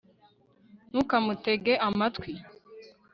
ntukamutege amatwi